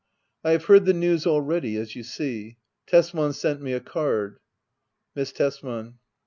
I have heard the news already^ as you see. Tesman sent me a card. Miss Tesman.